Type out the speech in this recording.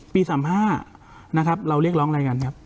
๓๕นะครับเราเรียกร้องอะไรกันครับ